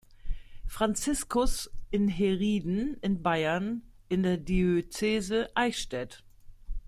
Franziskus in Herrieden in Bayern in der Diözese Eichstätt.